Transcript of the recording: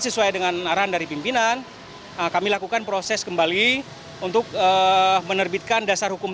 sesuai dengan arahan dari pimpinan kami lakukan proses kembali untuk menerbitkan dasar hukum